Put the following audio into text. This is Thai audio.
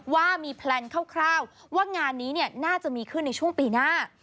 ว่ามีแพลนคร่าวว่างานนี้น่าจะมีขึ้นในช่วงปีหน้า